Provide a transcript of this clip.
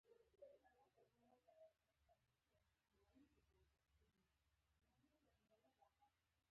د توپیرونو نا انډولي نسبتا نوې پېښې دي.